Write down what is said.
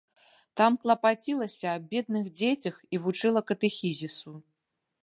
Там клапацілася аб бедных дзецях і вучыла катэхізісу.